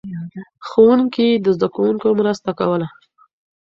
ښوونکي د زده کوونکو مرسته کوله.